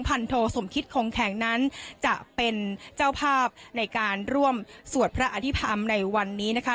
โทสมคิตคงแข็งนั้นจะเป็นเจ้าภาพในการร่วมสวดพระอภิษฐรรมในวันนี้นะคะ